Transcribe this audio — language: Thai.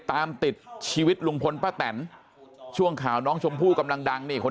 ตามติดชีวิตลุงพลป้าแตนช่วงข่าวน้องชมพู่กำลังดังนี่คน